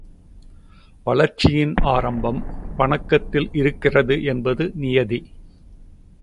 வளர்ச்சியின் ஆரம்பம் வணக்கத்தில் இருக்கிறது என்பது நியதி.